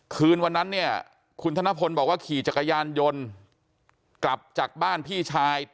คืนวันนั้นเนี่ยคุณธนพลบอกว่าขี่จักรยานยนต์กลับจากบ้านพี่ชาย